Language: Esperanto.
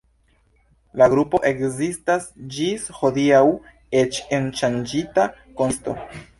La grupo ekzistas ĝis hodiaŭ eĉ en ŝanĝita konsisto.